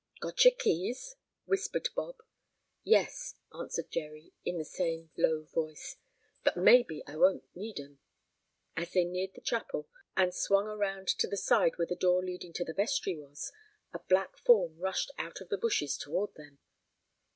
"Got your keys?" whispered Bob. "Yes," answered Jerry, in the same low voice. "But maybe I won't need 'em." As they neared the chapel, and swung around to the side where the door leading to the vestry was, a black form rushed out of the bushes toward them.